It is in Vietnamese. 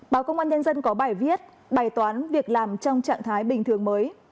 báo công an nhân dân có bài viết bài toán việc làm trong trạng thái bình thường mới